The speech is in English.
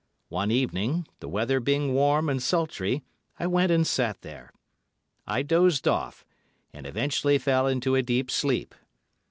One evening, the weather being warm and sultry, I went and sat there. I dozed off, and eventually fell into a deep sleep.